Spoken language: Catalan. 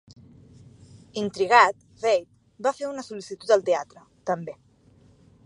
Intrigat, Veidt va fer una sol·licitud al teatre, també.